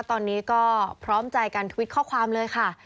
ตอนนี้ก็พร้อมใจกันทวิตข้อความเลยค่ะ